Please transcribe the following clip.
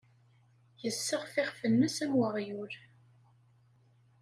Yessɣer iɣef-nnes am weɣyul.